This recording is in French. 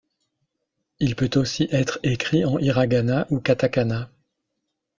Il peut aussi être écrit en hiragana ou katakana.